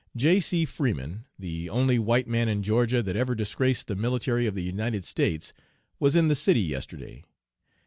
"J. C. Freeman, the only white man in Georgia that ever disgraced the military of the United States, was in the city yesterday.